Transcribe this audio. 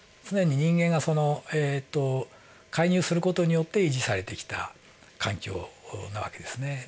常に人間がその介入する事によって維持されてきた環境な訳ですね。